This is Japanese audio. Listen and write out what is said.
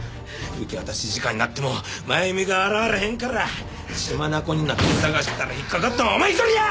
受け渡し時間になっても真由美が現れへんから血眼になって探したら引っかかったのはお前一人や！